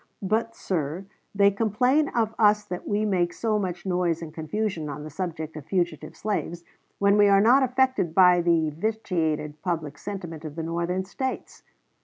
But, sir, they complain of us that we make so much noise and confusion on the subject of fugitive slaves, when we are not affected by the vitiated public sentiment of the Northern States.